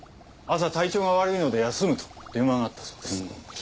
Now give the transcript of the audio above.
朝「体調が悪いので休む」と電話があったそうです。